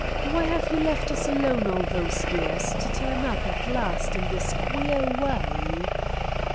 "Why have you left us alone all those years, to turn up at last in this queer way?"